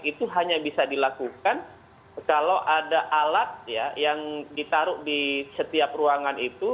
itu hanya bisa dilakukan kalau ada alat yang ditaruh di setiap ruangan itu